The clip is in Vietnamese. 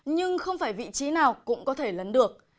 nhưng không phải vị trí nào cũng có thể lấn được